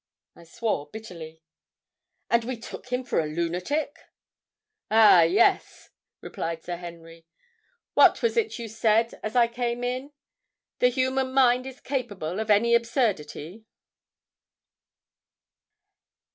I swore bitterly. "And we took him for a lunatic!" "Ah, yes!" replied Sir Henry. "What was it you said as I came in? 'The human mind is capable of any absurdity!'"